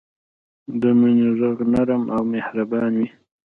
د مینې ږغ نرم او مهربان وي.